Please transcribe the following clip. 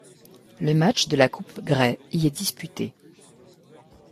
Le match de la coupe Grey y est disputé.